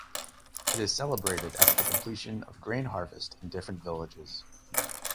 It is celebrated after the completion of grain harvest in different villages.